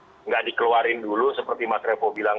awal sehingga gak dikeluarin dulu seperti mas repo bilang